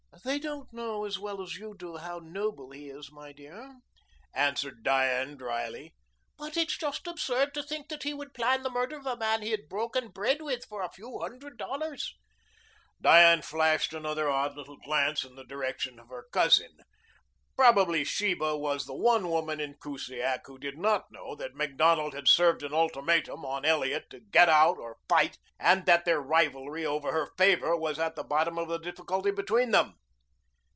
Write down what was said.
"They don't all know as well as you do how noble he is, my dear," answered Diane dryly. "But it's just absurd to think that he would plan the murder of a man he has broken bread with for a few hundred dollars." Diane flashed another odd little glance in the direction of her cousin. Probably Sheba was the one woman in Kusiak who did not know that Macdonald had served an ultimatum on Elliot to get out or fight and that their rivalry over her favor was at the bottom of the difficulty between them.